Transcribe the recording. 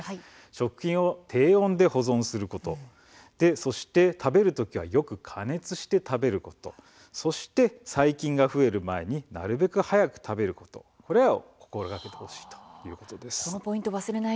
食品は低温で保存すること食べる時はよく加熱して食べることそして細菌が増える前になるべく早く食べることこれらを心がけてほしいということです。